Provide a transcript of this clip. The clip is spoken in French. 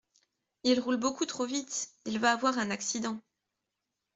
Il roule beaucoup trop vite, il va avoir un accident !